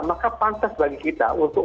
maka pantas bagi kita untuk